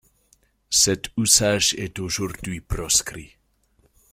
Cet usage est aujourd'hui proscrit.